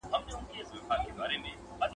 مونږ باید د خپلوۍ اړیکي وساتو.